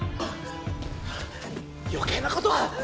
余計なことは。